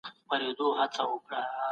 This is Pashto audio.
زده کوونکي په ویبپاڼو کي نوي معلومات خپروي.